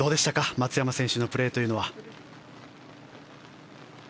松山選手のプレーというのは。